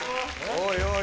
おいおい